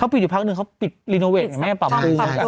ปิดอยู่พักหนึ่งเขาปิดรีโนเวทอย่างแม่ปรับปรุง